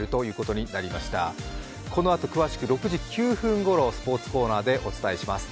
このあと詳しく６時９分ごろ、スポーツコーナーでお伝えします。